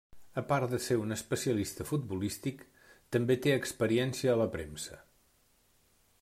A part de ser un especialista futbolístic, també té experiència a la premsa.